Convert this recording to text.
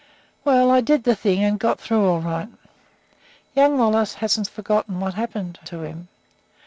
"Well, I did the thing, and got through all right. Young Wallace hasn't forgotten what happened to him.